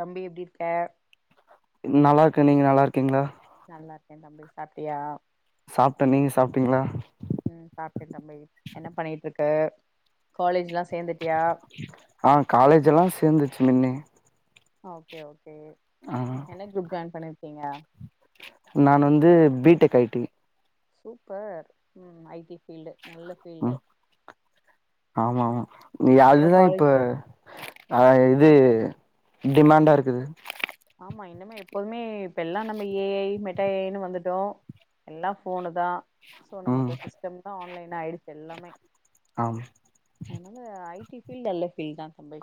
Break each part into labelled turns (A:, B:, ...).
A: தம்பி எப்டிருக்க
B: நல்லா இருக்கு நீங்க நல்லாருக்கீங்களா
A: நல்லா இருக்கேன் தம்பி சாப்ட்டியா
B: சாப்ட்டேன் நீங்க சாப்ட்டீங்களா
A: ம் சாப்ட்டேன் தம்பி என்ன பண்ணிட்டு இருக்கு காலேஜ்லாம் சேந்துட்டியா
B: ஆ காலேஜ் எல்லா சேந்துச்சு மின்னே
A: ஓகே ஓகே
B: ஆ
A: என்ன கரூப் ஜாயின் பண்ணிருக்கீங்க
B: நான் வந்து B Tech IT
A: super IT field நல்ல ஃபீல்டு
B: ம் ஆமா
A: அப்றோ
B: அயதுதா இப்ப
A: காலேஜ்
B: அ இது டிமாண்டா இருக்குது
A: ஆமா இனமே எப்போதுமே இப்ப எல்லா நம்ம ஏஐ மெட்டா ஏஐன்னு வந்துட்டோம் எல்லாம் ஃபோனு தா சோ
B: ம்
A: நமக்கு சிஸ்டம் தா ஆன்லைன் ஆயிருக்கு எல்லாமே
B: ஆமா
A: அதனால ஐடி ஃபீல்ட் நல்ல ஃபீல்ட் தா தம்பி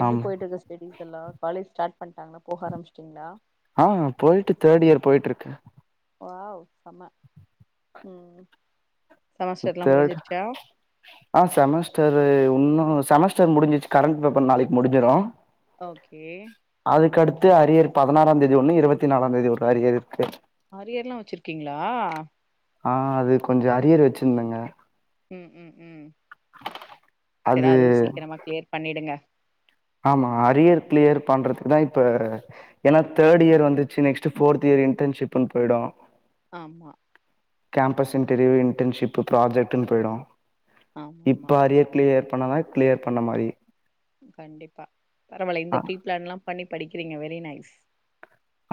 A: எப்டி
B: ஆமா
A: போயிட்டுக்கு லேடீஸ் எல்லா காலேஜ் ஸாடாட் பண்டாங்கன்னா போக ஆரம்ச்சட்டீங்களா
B: ஆ போயிட்டு தேட்டு இயர் போய்ட்ருக்கு
A: வாவ் செம்ம ம் ம் செமஸ்டர்லா
B: தேர்ட்
A: முடிஞ்சிருச்சா
B: ஆ செமஸ்டர் உன்னும் செமஸ்டர் முடிஞ்சிச்சு கரண்ட் பேப்பர் நாளைக்கு முடிஞ்சிடும்
A: ஓகே
B: அதுக்குடுத்து அரியர் பதினாறாம் தேதி ஒண்ணு இருபத்தி நாலாம் ஒரு அரியர் இருக்கு
A: ஆரியர்ல்லாம் வச்சுருக்கீங்களா
B: ஆ அது கொஞ்ச அரியர் வச்சுந்தேங்க
A: ம் ம் ம்
B: அது
A: சரி அதுவும் சீக்கிரமா கிளியர் பண்ணிடுங்க
B: ஆமா அரியர் கிளியர் பண்றதுக்கு தா இப்ப ஏன்னா தேர்ட் இயர் வந்துச்ச நெக்ஸ்ட் ஃபோர்த் இயர் இன்டன்ஷிப்ன்னு போயிடும்
A: ஆமா
B: கேம்பஸ் இன்டர்வியூ இன்டன்ஷிப் ப்ராஜெக்ட்னு போய்டும்
A: ஆமா ஆமா
B: இப்ப அரியர் கிளியர் பண்ணாதா கிளியர் பண்ண மாரி
A: கண்டிப்பா பரவால்ல
B: அ
A: இந்த ப்ரீ பிளான் எல்லா பண்ணி படிக்றீங்க வெரி நைஸ்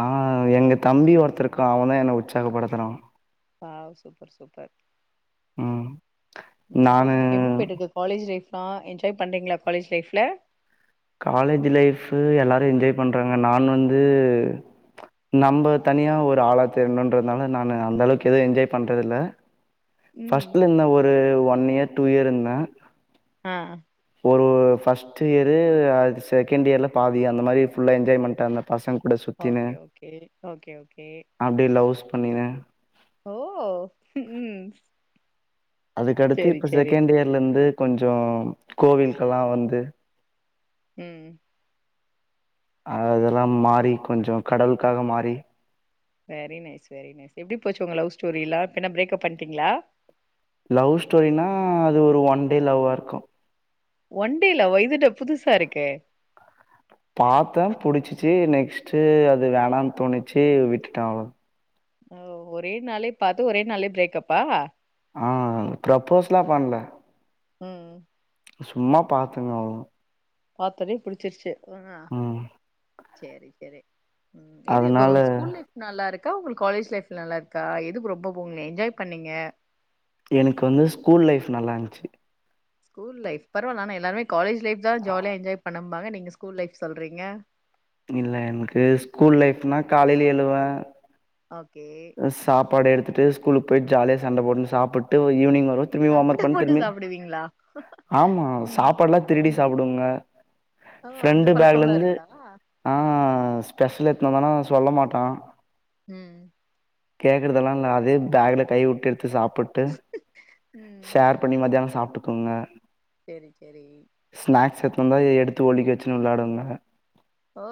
B: ஆ எங்க தம்பி ஒருத்தர் இருக்கா அவ தா என்ன உற்சாகப்படுத்துறா
A: ஆ சூப்பர் சூப்பர்
B: ம்.
A: ம்
B: நானு
A: அப்றம் எப்டி போய்ட்டுருக்கு காலேஜ் லைஃப்லா என்ஜாய் பண்றீங்களா காலேஜ் லைப்ல
B: காலேஜ் லைஃப் எல்லாரு என்ஜாய் பண்றாங்க நான் வந்து நம்ப தனியா ஒரு ஆளா தேடனுன்றதுனால நானு அந்த அளவுக்கு எது என்ஜாய் பண்றது இல்ல
A: ம்
B: ஃபர்ஸ்ட்ல இருந்த ஒரு ஒன் இயர் டூ இயர் இருந்த
A: ஆ
B: ஒரு ஃபர்ஸ்ட் இயரு அது செகண்ட் இயர்ல பாதி அந்த மாரி ஃபுல்லா என்ஜாய்மெண்ட் அந்த பசங்க கூட
A: ஓகே ஓகே ஒகே ஒகே
B: அப்டி லவ்ஸ் பண்ணினு
A: ஓ ம்
B: அதுக்கடுத்து
A: சேரி
B: இப்ப
A: சேரி
B: செகண்ட் இயர்ல இருந்து கொஞ்சோ கோவில்கெல்லா வந்து
A: ம்
B: அதஅதெல்லா மாறி கொஞ்சோ கடவுள்க்காக மாறி
A: வெரி நைஸ் வெ நைஸ் எப்டி போச்சு உங்க லவ் ஸ்டோரி இல்லா பின்ன பிரேக்ப் அப் பண்ட்டீங்களா
B: லவ் ஸ்டோரினா அது ஒரு ஒன் டே லவ்வாருக்கு
A: ஒன் டே லவ் வா இது என்ன புதுசா இருக்கே
B: பாத்தே புடிச்சிச்சு நெக்ஸ்ட்டு அது வேணாம்னு தோணிச்சி விட்டுட்டே அவ்ளோ
A: ஓ ஒரே நாளே பாத்து ஒரே நாளே ப்ரேக் அப்பா
B: ஆ ப்ரப்போஸ்லா பண்ல
A: ம்
B: சும்மா பாத்தேங்க அவ்
A: பாத்தொனே புடிச்சிருச்சு ஆ
B: ம்
A: சேரி சேரி இது இப்ப
B: அதனால
A: கொஞ் ஸ்கூல் லைஃப் நல்லாருக்கா உங்களுக்கு காலேஜ் லைஃப் நல்லாருக்கா எதுக்கு ரொம்ப போங் என்ஜாய் பண்ணீங்க
B: எனக்கு வந்து ஸ்கூல் லைஃப் நல்லா இருந்துச்சு
A: ஸ்கூல் லைஃப் பரவால நானே எல்லாருமே காலேஜ் லைஃப் தா ஜாலியா என்ஜாய் பண்ணேம்பாங்க நீங்க ஸ்கூல் லைஃப் சொல்றீங்க
B: இல்ல என்கு ஸ்கூல் லைஃப்னா காலைல எழுவே
A: ஓகே
B: சாப்பாடு எடுத்துட்டு ஸ்கூலுக்கு போய்ட்டு ஜாலியா சண்ட போட்னு சாப்புட்டு ஈவினிங் வருவே திரும்பி
A: சண்ட
B: ஓம்வொர்க்பண்
A: போட்டு
B: திரும்பி
A: சாப்டுவீங்களா
B: ஆமா
A: ம்
B: சாப்பாடெல்லா திருடி
A: ம்
B: சாப்டுவேங்க
A: ஓ அந்த பழக்கம் ல்லா இருக்கா
B: ஆ ஸ்பெஷல் எடுத்து வந்தானா சொல்ல மாட்டா
A: ம்
B: கேட்கறதெல்லா இல்ல அதே பேக்ல கை வுட்டு எடுத்து சாப்புட்டு
A: ம்
B: ஷேர் இப்ப நீ மத்யானோ சாப்ட்டு தூங்க
A: செரி செரி
B: ஸ்நாக்ஸ் எத்து வ ந்தா எடுத்து ஒழிக்க வச்சு வெளாடுவாங்க
A: ஓ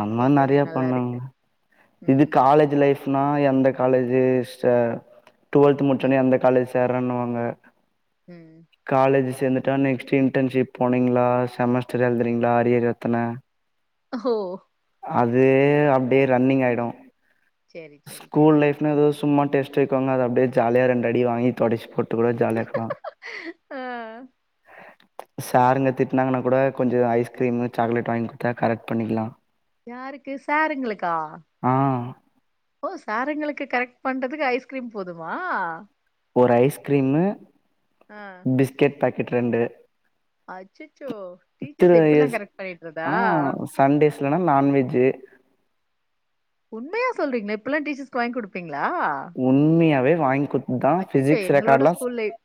B: அந்நா
A: கேக்கவே
B: நெறைய
A: நல்லா
B: பண்ணேங்க
A: இருக்கு
B: இது
A: ம்
B: காலேஜ் லைஃப்னா எந்த காலேஜ்ஜு ச டுவல்த் முட்ச்சோனே
A: ம்
B: அந்த காலேஜ் தெரன்னுவாங்க
A: ம்
B: காலேஜ் சேந்துட்டா நெக்ஸ்ட் இன்டர்ன்ஷிப் போனீங்களா செமஸ்டர் எழுதுறீங்களா அரியர் எத்தன
A: ஹோ
B: அது அப்டியே ரன்னிங் ஆய்டும்
A: செரி செரி
B: ஸ்கூல்
A: செரி
B: லைப் எதோ சும்மா டேஸ்ட் வைப்பகங்க அது அப்டியே ஜாலியா ரெண்டு அடி வாங்கி தொடச் போட்டு இப்ப கூட ஜாலியா இருக்கலா
A: ஆ
B: சாருங்க திட்டுனாங்கனா கூட கொஞ்சோ ஐஸ்கிரீம் சாக்லேட் வாங்கி குடுத்தா கரெக்ட் பண்ணிகலா
A: யாருக்கு சாருங்களுக்கா
B: ஆ
A: ஓ சாருங்களுக்கு கரெட் பண்றதுக்கு ஐஸ்கிரீம் போதுமா
B: ஒரு ஐஸ்கிரீமு
A: ஆ
B: பிஸ்கெட் பாக்கெட் ரெண்டு
A: அச்சச்சோ டிச்சர்ஸ் ச
B: திரு
A: இப்டிலா
B: எஸ்
A: கரெட் பண்ணிட்றதா
B: ஆ சண்டேஸ்லனா நான்வெஜ்ஜு
A: உண்மயா சொல்றீங்களா இப்டிலா டிச்சர்ஸ்க்கு வாங்கி குடுப்பீங்களா
B: உண்மயாவே வாங்கிகுத்து தா
A: அச்சச்சோ
B: ஃபிசிக்ஸ்
A: எங்களோட
B: ரெக்காட்லா
A: ஸ்கூல் லைஃப்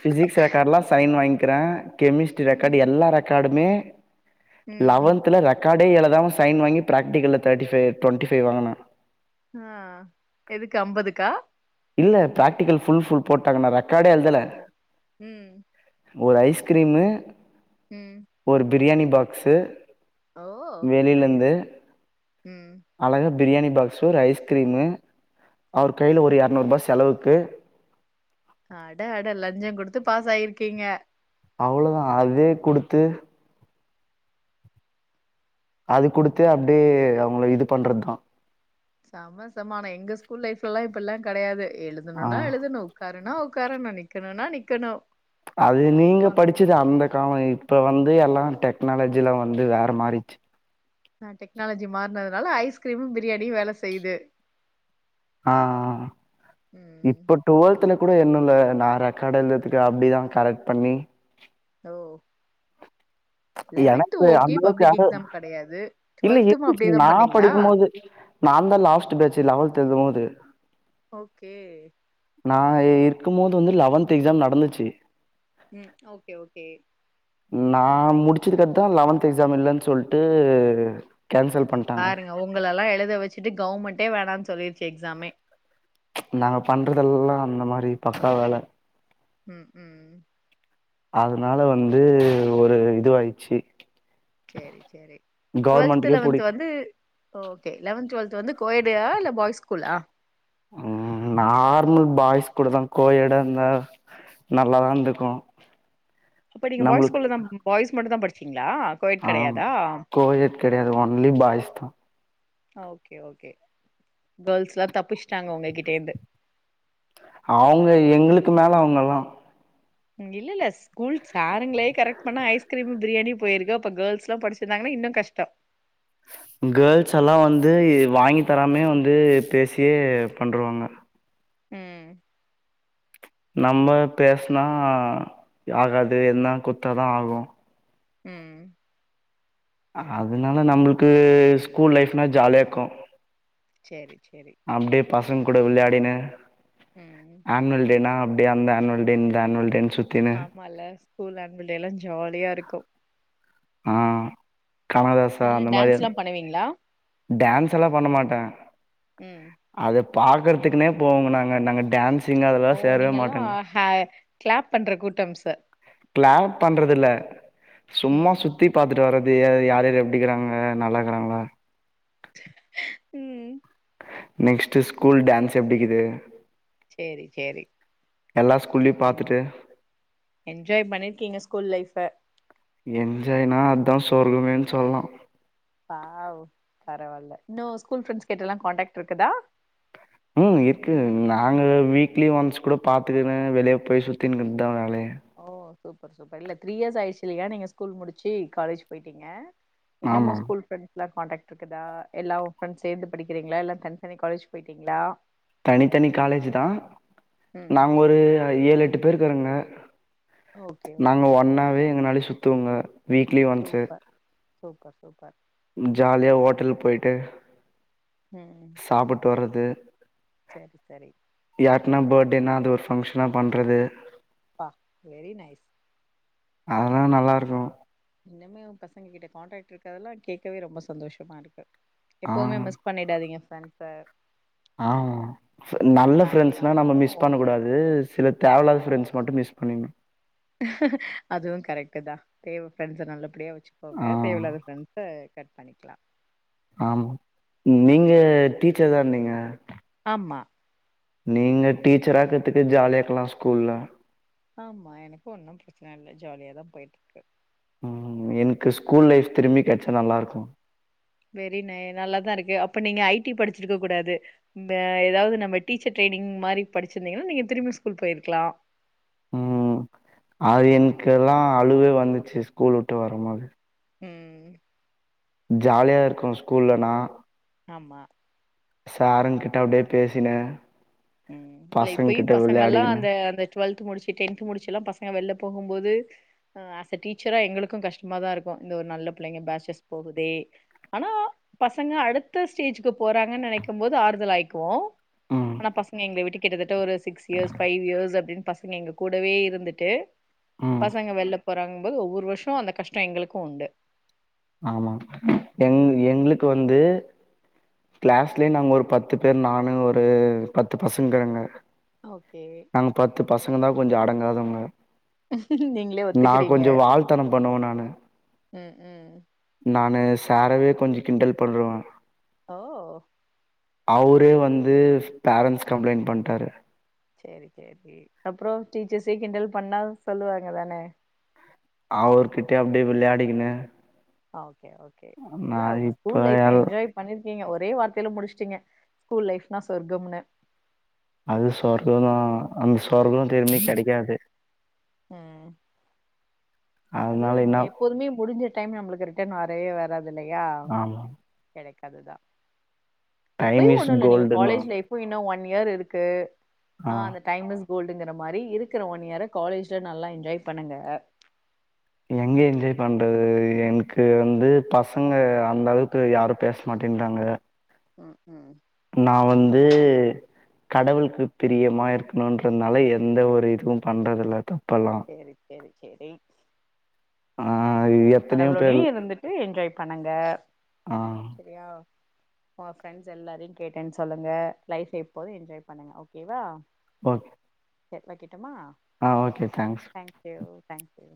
B: ஃபிசிக்ஸ் ரெக்காட்லா சைன் வாங்கிற கெமிஸ்ட்ரி ரெக்காடு
A: ம்
B: எல்லா ரெக்காடுமே
A: ம்
B: லெவன்த்துல ரெக்காடே எழுதாம சைன் வாங்கி பிராக்டிகல்ல தேட்டிஃபைவ் டெண்ட்டிஃபைவ் வாங்கன
A: ஆ எதுக்கு அம்பதுக்கா
B: இல்ல பிராட்டிகல் ஃபுல் ஃபுல் போட்டாங்க நா ரெக்காடே எழுதல
A: ஓ ம்
B: ஒரு ஐஸ்கிரீமு
A: ம்
B: ஒரு பிரியாணி பாக்சு
A: ஓ நைஸ்
B: வெளிலந்து
A: ம்
B: அழகாக பிரியாணி பாக்சு ஒரு ஐஸ்கிரீமு அவர் கையில ஒரு எறநூறுபா செலவுக்கு
A: அட அட லஞ்சோ குடுத்து பாஸ் ஆயிருக்கீங்க
B: அவளோ தா அதே குடுத்து அது குடுத்து அப்டே அவுங்கள இது பண்றது தா
A: சமசமானோ எங்க ஸ்கூல் லைஃப்லல்லா இப்படிலா கடையாது
B: ஆ
A: எழுதணுனா எழுதணு உக்காறுனா உக்காரனு நிக்கணுனா நிக்கணு
B: அது நீங்க
A: ப்பா
B: படிச்சது அந்த காலோ இப்ப வந்து எல்லா டெக்னாலஜிலா வந்து வேற மாரிச்சி
A: ஆ டெக்னாலஜி மாறனதுனால ஐஸ்கிரீமு பிரியாணியு வேல செய்து
B: ஆ ஆ
A: ம்
B: இப்போ டுவத்துல கூட என்னல நா ரெக்காட் எழுததுக்கு அப்டிதா கரெட் பண்ணி
A: ஓ லெவன்த்து
B: எனக்கு
A: ஓகே
B: அந்த அளவுக்கு
A: பப்ளிக்
B: யாரும்
A: எக்ஸாம் கடையாது
B: இல்ல
A: டுவெல்த்தும் அப்டியதா பண்ணீங்களா
B: நா தா லாஸ்ட்டு பேச்சு லவென்தது எழுதும் போது
A: ஓகே
B: நா இருக்கும் போது வந்து லெவன்த்து எக்ஸாம் நடந்துச்சு
A: ம் ஓகே ஓகே
B: நா முடிச்சதுக்கத்தா லெவன்த்து எக்ஸாம் இல்லன் சொல்ட்டு கேன்சல் பண்
A: பாருங்க உங்களல்லா எழுத வச்சிட்டு கவுவர்மெண்ட்டே வேணான்னு சொல்லிருச்சு எக்ஸாமே
B: நாங்க பண்றதெல்லா அந்த மாரி பக்கா வேல
A: ம் ம்
B: அதனால வந்து ஒரு இதுவாயிச்சு
A: சேரி சேரி டுவெல்த்து
B: கவர்மெண்ட்டுக்கே
A: லெவன்த்து
B: புடிக்
A: வந்து ஓகே லெவன்த்து டு்வல்த்து வந்து கோயடுடியா இல்ல பாய்ஸ் ஸ்கூலா
B: ம் நார்மல் பாய்ஸ் கூட தா கோயடா இந்த நல்லா தா இருந்துக்கோ
A: அப்ப நீங்க பாய்ஸ் ஸ்கூல தா பாய்ஸ் மட்டு தா படிச்சீங்களா கோயட்
B: ஆமா
A: கெடையாதா
B: கோயேட் கடையாது ஒன்லி பாய்ஸ் தா
A: ஓகே ஓகே கேள்ஸ்ல்லா தப்பிச்ட்டாங்க உங்ககிட்ட இருந்து
B: அவுங்க எங்களுக்கு மேல அவுங்களா
A: ம் இல்ல இல்ல ஸ் ஸ்கூல் சாருங்களே கரெக்ட் பண்ணா ஐஸ்கிரீமு பிரியாணி போயிருக்கு அப்ப கேள்ஸ் எல்லா படிச்சிருந்தாங்க இன்னு கஷ்டோ
B: கேர்ள்ஸ் எல்லா வந்து வாங்கி தராமே வந்து பேசியே பண்ருவாங்க
A: ம்
B: நம்ம பேசனா ஆகாது எதுனா குத்தா ஆகு
A: ம்
B: அதனால நம்புள்க்கு ஸ்கூல் லைஃப்னா ஜாலியாக்கு
A: சேரி சேரி
B: அப்டியே பசங்க கூட வெளாடினு
A: ம்
B: ஆனுவல் டேனா அப்டி அந்த ஆனுவல் டே இந்த ஆனுவல் டேன் சு
A: ஆமால ஸ்கூல் ஆனுவல் டேல்லா ஜாலியா இருக்கு
B: ஆ [unintelligible]
A: அதெல்லா
B: அந்த மாரி
A: டான்ஸ்லா பண்ணுவீங்களா
B: டான்ஸ் எல்லாம பண்ண மாட்டே
A: ம்
B: அத பாக்குறதுக்குனே போவோங்க நாங்க நாங்க டான்ஸ்
A: ஓ நீங்கல்லா ஹ க்ளாப் பண்ற கூட்டம்ஸ்சு
B: க்ளாப் பண்றதில்ல
A: ம்
B: சும்மா சுத் எடுத்துட்டு வர்றது ய யார் யார் எப்டிக்கராங்க நல்லா இருக்கறாங்களா
A: உம்
B: நெக்ஸ்ட்டு ஸ்கூல் டான்ஸ்சு எப்டிக்கிது
A: சேரி சேரி
B: எல்லா ஸ்கூல்லயு
A: என்
B: பாத்துட்டு
A: என்ஜாய் பண்ணிருக்கீங்க ஸ்கூல் லைஃப்ஃப
B: என்ஜாய்னா அத்தா சொர்க்கமேன் சொல்லா
A: வாவ் பரவால்ல இன்னு ஸ்கூல் ஃப்ரெண்ட்ஸ் கிட்டல்லா காண்டக்ட் இருக்குதா
B: ம் இருக்கு நாங்க வீக்லி ஒன்ஸ் குட பாத்துக்குனு வெளிய போய் சுத்தின்கிர்தா வேலயே
A: ஓ சூப்பர் சூப்பர் இல்ல த்ரீ இயர்ஸ் ஆயிடுச்சு இல்லயா நீங்க ஸ்கூல் முடிச்சு காலேஜ் போயிட்டீங்க இன்னமா
B: ஆமா.
A: ஸ்கூல் ஃப்ரெண்ஸ்லா காண்டக்ட் இருக்குதா எல்லா [unintelligible] சேத்து படிக்கிறிங்கலா இல்ல தனித்தனி காலேஜ் போயிட்டீங்ளா
B: தனித்தனி காலேஜ் தா
A: ம்
B: நாங்க ஒரு ஏழ் எட்டு பேர்ருக்கறங்க
A: ஓகே
B: நாங்க
A: ஓகே
B: ஒன்னாவே எங்கனாலயு சுத்துவுங்க
A: சூப்பர் சூப்பர் சூப்பர்
B: ம் ஜாலியா ஹோட்டல் போய்ட்டு
A: உம் ம்
B: சாப்புட் வர்றது
A: சேர் சேரி
B: யாருக்னா பர்த்டேனா அது ஒரு ஃபங்க்ஷனா பண்றது
A: வா வெரி நைஸ்
B: அதெலா நல்லாருக்கு
A: இன்னுமே உங் பசங்க கிட்ட கான்டாக்ட் இருக்கற்தெல்லா கேட்கவே ரொம்ப சந்தோஷமா இருக்கு
B: ஆ
A: எப்போதுமே மிஸ் பண்ணிடாதீங்க ஃப்ரெண்ட்ஸ்ச
B: ஆ ஃப நல்ல ஃப்ரெண்ட்ஸ்னா நம்ம
A: ஆனாலு
B: மிஸ் பண்ண
A: ஃப்ரெண்ட்
B: கூடாது சில தேவயில்லாத ஃப்ரெண்ட்ஸ் மட்டு மிஸ் பண்ணிருனு
A: அதுவு கரெக்ட்டு தா தேவ ஃப்ரெண்ட்ஸ்ச நல்ல படியா வெ ச்சுகோங்க
B: ஆ
A: தேவயில்லாத ஃப்ரெண்ஸ்ச கட் பண்ணிக்லா
B: ஆமா நீங்க டீச்சர் தான் நீீங்க
A: ஆம்மா
B: நீங்க டீச்சராக்கத்துக்கு ஜாலியா இருக்கலா ஸ்கூல்ல
A: ஆம்மா எனக்கு ஒன்னு பிரச்சன இல்ல ஜாலியா தா போயிட்ருக்கு
B: ம் என்க்கு ஸ்கூல் லைஃப் திரும்பி கெடச்சா நல்லாருக்கு
A: வெரி நை நல்லாதா இருக்கு அப்ப நீங்க ஐடீ படிச்சிருக்க கூடாது இந்த எதாவது நம்ம டீச்சர் ட்ரைனிங் மாரி படிச்சிருந்தீங்கன்னா நீங்க திரும்பி ஸ்கூல் போயிருக்கலா
B: ம் அது
A: ம்
B: என்க்குல்லா அழுவ வந்துச்சு ஸ்கூல் விட்டு வரு போது
A: ம்
B: ஜாலியா இருக்கு ஸ்கூலனா
A: ஆமா
B: சாருங்கிட்ட அப்டியே பேசின்னு
A: ம் இல்ல இப்பயு பசங்கள்ல்லா
B: விளையாடிக்கினு
A: அந்த அந்த டுவல்த் முடிச்சு டென்த் முடிச்சு எல்லா பசங்க வெளில போகு போது ஆஸ் அ டீச்சரா எங்களுக்கு கஷ்டமாதா இருக்கு இந்த ஒரு நல்ல பிள்ளைங்க பேட்சர்ஸ் போகுதே ஆனா பசங்க அடுத்த ஸ்டேஜுக்கு போறாங்கன்னு நெனைக்கும் போது ஆறுதல் ஆகிக்குவோ
B: ம்
A: ஆனா பசங்க எங்கள விட்டு கிட்டத்தட்ட ஒரு சிக்ஸ் இயர்ஸ் ஃபைவ் இயர்ஸ் அப்டின்னு பசங்க எங்க கூடவே இருந்துட்டு
B: ம்
A: பசங்க வெளில போறாங்கபோது ஒவ்வொரு வருஷ அந்த கஷ்டம் எங்களுக்கு உண்டு
B: ஆமா எங் எங்களுக்கு வந்து கிளாஸ்லே நாங்க ஒரு பத்து பேர் நானு ஒரு பத்து பசங்கங்க
A: ஓகே
B: நாங்க பத்து பசங்க தா கொஞ்சோ அடங்காதவங்க
A: நீங்களே
B: நா
A: ஒத்துக்கிறீங்க
B: கொஞ்சோ வால்த்தன பண்ணுவே நானு
A: ம் ம்
B: நானு சாரவே கொஞ்சோ கிண்டல் பண்றவே
A: ஓ
B: அவரே வந்து பேரண்ட்ஸ் கம்ப்ளைண்ட் பண்ணிட்டாரு
A: சேரி சேரி சேரி அப்பறோ டீச்சர்ஸே கிண்டல் பண்ணா சொல்லுவாங்க தான
B: அவர்கிட்டே அப்டியே வெளையாடிக்கின்னு
A: ஓகே ஓகே இல்ல உங்க
B: இப்ப
A: ஸ்கூல் லைஃப்
B: எல்
A: என்ஜாய் பண்ணிருக்கீங்க ஒரே வார்த்தையில முடிச்சுட்டீங்க ஸ்கூல் லைப்னா சொர்க்கம்னு
B: அது சொர்க்க தா அந்த சொர்க்கோ திரும்பி கெடைக்காது
A: ம் அது
B: அதனால
A: நம்ம
B: என்ன
A: எப்போதுமே முடிஞ்ச டைம் நம்மளுக்கு ரிட்டன் வ [unintelligible] வராதுல்லையா
B: ஆமா
A: எனக்கு அதுதா
B: டைம்
A: இப்பயு
B: இஸ்
A: ஒண்ணு இல்ல நீங்க காலேஜ்
B: கோல்டுன்னுவாங்க
A: லைப் இன்னு ஒன் இயர் இருக்கு
B: ஆ
A: அந்த டைம் இஸ் கோல்டுங்கிற மாரி இருக்கற ஒன் இயர்ர காலேஜ் நல்லா என்ஜாய் பண்ணுங்க
B: எங்க என்ஜாய் பண்றது எனக்கு வந்து பசங்க அந்த அளவுக்கு யாரும் பேச மாட்டேன்றாங்க
A: ம் ம்
B: நா வந்து கடவுளுக்கு பிரியமா இருக்கணும்ன்றதுனால எந்த ஒரு இதுவு பண்றது இல்லத்தா
A: சேரி சேரி சேரி
B: ஆ எத்தனையோ பேர்
A: கடவுளோடயே இருந்துட்டு என்ஜாய் பண்ணுங்க
B: அ
A: சரியா உங்க ஃப்ரெண்ட்ஸ் எல்லாரையு கேட்டேன்னு சொல்லுங்க லைஃப் எப்போது என்ஜாய் பண்ணுங்க ஓகேவா
B: ஓகே
A: ஒகே வைக்கட்டுமா
B: அ ஓகே தங்க்ஸ்
A: தேங்க்ஸு தேங்க்ஸு